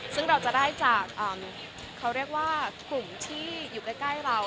ซึ่งเราจะได้จากเขาเรียกว่ากลุ่มที่อยู่ใกล้เรา